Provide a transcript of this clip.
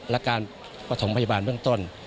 และการประถมพยาบาลเบื้องต้น